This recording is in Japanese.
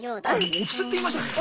お布施って言いましたね！